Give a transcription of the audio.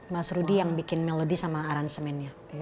mas rudy yang bikin melodi sama aransemennya